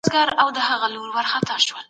مظلومانو ته خپل حق په پوره توګه ورسپارل کېږي.